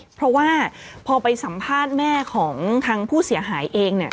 เพราะว่าพอไปสัมภาษณ์แม่ของทางผู้เสียหายเองเนี่ย